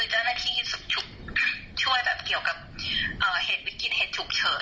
เจ้าหน้าที่ช่วยแบบเกี่ยวกับเหตุวิกฤตเหตุฉุกเฉิน